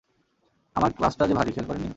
আমার ক্লাচটা যে ভারি, খেয়াল করেননি?